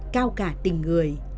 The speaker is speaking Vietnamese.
cao cả tình người